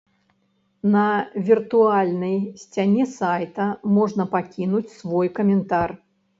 На віртуальнай сцяне сайта можна пакінуць свой каментар.